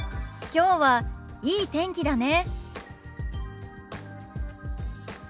きょうはいい天気だね。